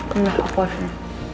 bener aku aslinya